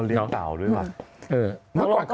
เลี้ยงเต่าด้วยเหรอ